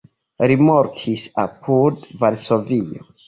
Li mortis apud Varsovio.